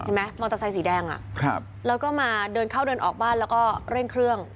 เห็นไหมมอเตอร์ไซค์สีแดงอ่ะครับแล้วก็มาเดินเข้าเดินออกบ้านแล้วก็เร่งเครื่อง